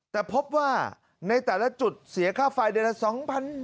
แต่พบว่าในแต่ละจุดเสียค่าไฟเดือนละ๒๐๐บาท